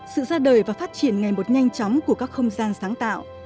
sự ra đời và phát triển ngày một nhanh chóng của các không gian sáng tạo